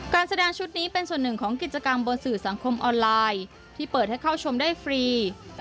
การแสดงชุดนี้เป็นส่วนหนึ่งของกิจกรรมบนสื่อสังคมออนไลน์ที่เปิดให้เข้าชมได้ฟรี